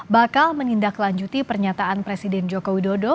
bakal menindaklanjuti pernyataan presiden joko widodo